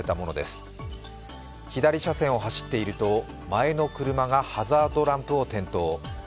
左車線を走っていると前の車がハザードランプを点灯。